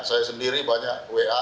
saya sendiri banyak wa